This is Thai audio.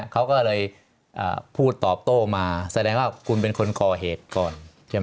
เขาก็เลยพูดตอบโต้มาแสดงว่าคุณเป็นคนก่อเหตุก่อนใช่ไหม